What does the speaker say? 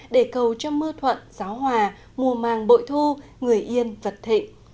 để cầu cho mưa thuận giáo hòa mùa màng bội thu người yên vật thịnh